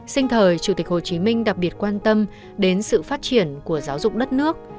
sinh thời chủ tịch hồ chí minh đặc biệt quan tâm đến sự phát triển của giáo dục đất nước